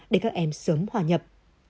để các em sớm hòa nhập